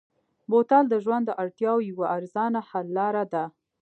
بوتل د ژوند د اړتیاوو یوه ارزانه حل لاره ده.